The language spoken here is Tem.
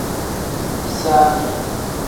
Bisaani.